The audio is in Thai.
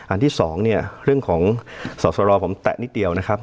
อันที่สองเนี่ยเรื่องของสอสรผมแตะนิดเดียวนะครับ